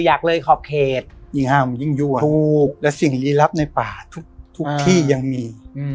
อยากเลยขอบเขตยิ่งห้ามยิ่งยั่วถูกและสิ่งลี้ลับในป่าทุกทุกที่ยังมี